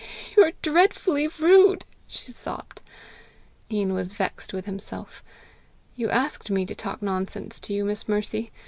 "You are dreadfully rude!" she sobbed. Ian was vexed with himself. "You asked me to talk nonsense to you, Miss Mercy!